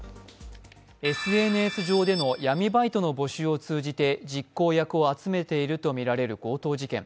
ＳＮＳ上での闇バイトの募集を通じて実行役を集めていると見られる強盗事件。